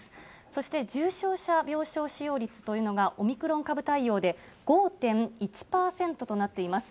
そして重症者病床使用率というのが、オミクロン株対応で、５．１％となっています。